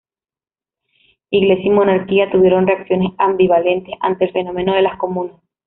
Iglesia y monarquía tuvieron reacciones ambivalentes ante el fenómeno de las comunas.